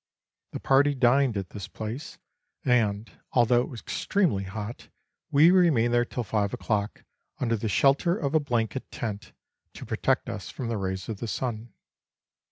The party dined at this place, and, although it was extremely hot, we remained there till five o'clock, under the shelter of a blanket tent, to protect us from the rays of the sun.